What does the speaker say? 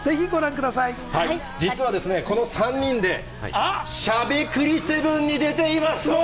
実はですね、この３人で、しゃべくり００７に出ていますので。